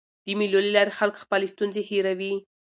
د مېلو له لاري خلک خپلي ستونزي هېروي.